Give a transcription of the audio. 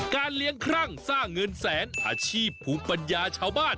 เลี้ยงครั่งสร้างเงินแสนอาชีพภูมิปัญญาชาวบ้าน